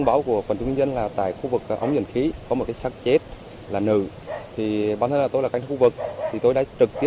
một cô gái nằm sấp không quần lộ ngực